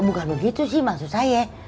bukan begitu sih maksud saya